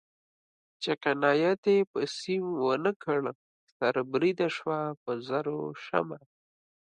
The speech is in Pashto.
چې قناعت یې په سیم و نه کړ سر بریده شوه په زرو شمع